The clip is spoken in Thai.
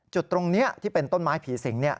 จุดตรงนี้ที่เป็นต้นไม้ผีสิง